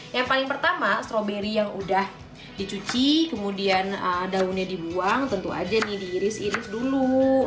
yang paling pertama stroberi yang udah dicuci kemudian daunnya dibuang tentu aja nih diiris iris dulu